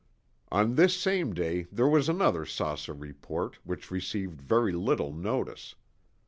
On this same day there was another saucer report. which received very little notice.